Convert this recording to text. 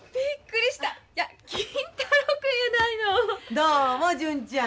どうも純ちゃん。